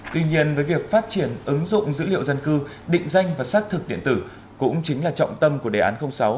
tuy nhiên với việc phát triển ứng dụng dữ liệu dân cư định danh và xác thực điện tử cũng chính là trọng tâm của đề án sáu